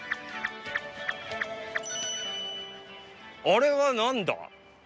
あれは何だ？